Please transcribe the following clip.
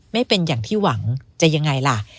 ไม่เป็นอย่างที่หวังจะยังไงล่ะ